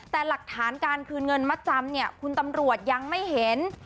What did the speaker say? แต่หลักฐานการคืนเงินมัดจำเนี่ยคุณตำรวจยังไม่เห็น